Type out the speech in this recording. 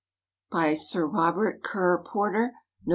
BY SIR ROBT. KER PORTER, NOV.